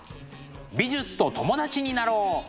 美術と友達になろう！